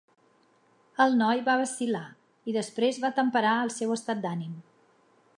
El noi va vacil·lar i després va temperar el seu estat d'ànim.